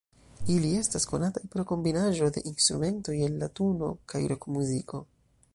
Ili estas konataj pro kombinaĵo de instrumentoj el latuno kaj rokmuziko.